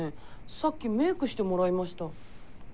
さっきメークしてもらいました。